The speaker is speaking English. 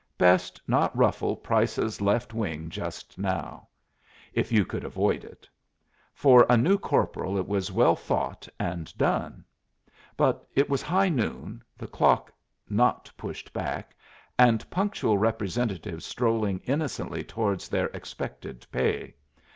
Best not ruffle Price's Left Wing just now, if you could avoid it. For a new corporal it was well thought and done. But it was high noon, the clock not pushed back, and punctual Representatives strolling innocently towards their expected pay.